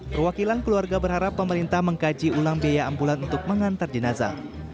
perwakilan keluarga berharap pemerintah mengkaji ulang biaya ambulan untuk mengantar jenazah